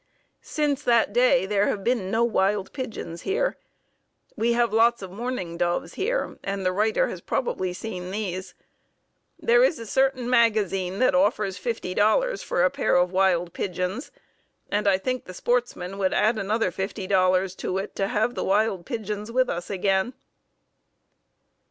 Since that day there have been no wild pigeons here. We have lots of mourning doves here, and the writer has probably seen these. There is a certain magazine that offers $50 for a pair of wild pigeons, and I think the sportsmen would add another $50 to it to have the wild pigeons with us again."